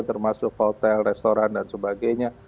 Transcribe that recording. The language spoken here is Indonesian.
termasuk hotel restoran dan sebagainya